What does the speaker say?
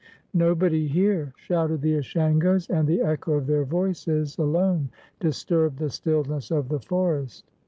"Nobody here," shouted the Ashangos, and theechoof their voices alone disturbed the stillness of the forest.